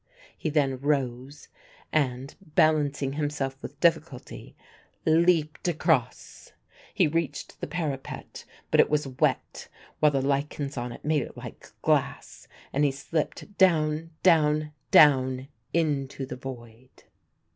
He then rose and, balancing himself with difficulty, leaped across. He reached the parapet; but it was wet, while the lichens on it made it like glass and he slipped down, down, down, into the void.